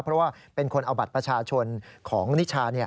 เพราะว่าเป็นคนเอาบัตรประชาชนของนิชา